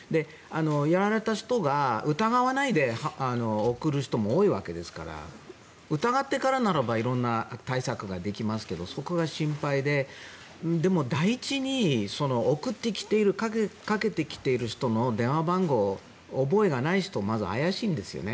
やられた人が疑わないで送る人も多いわけですから疑ってからなら色んな対策ができますがそこが心配ででも、第一に送ってきている、かけている人の電話番号、覚えがない人まず怪しいんですよね。